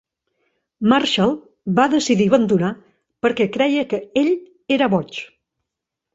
Marshall va decidir abandonar perquè creia que ell era boig.